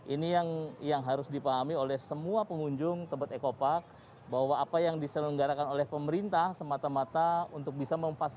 ini yang harus dipahami oleh semua pengunjung tebet eco park bahwa apa yang diselenggarakan oleh pemerintah semata mata untuk bisa memfasilitasi